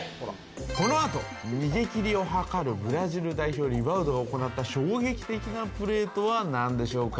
この後、逃げ切りを図るブラジル代表リヴァウドが行った衝撃的なプレーとはなんでしょうか。